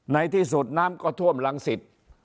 ในที่สุดน้ำก็ท่วมหลังสิทธิ์